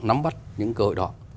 nắm bắt những cơ hội đó